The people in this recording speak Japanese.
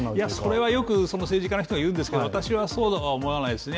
それはよく政治家の人は言うんですけど、私はそうは思わないですね。